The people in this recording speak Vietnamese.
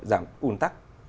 giảm cung tắc